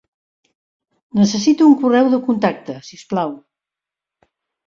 Necessito un correu de contacte, si us plau.